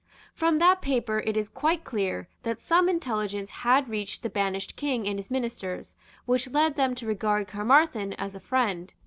From that paper it is quite clear that some intelligence had reached the banished King and his Ministers which led them to regard Caermarthen as a friend.